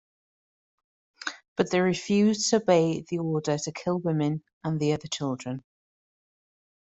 But they refused to obey the order to kill women and the other children.